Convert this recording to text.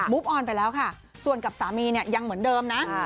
บุ๊บออนไปแล้วค่ะส่วนกับสามียังเหมือนเดิมนะ